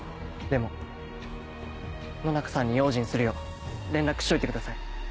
でも野中さんに用心するよう連絡しておいてください。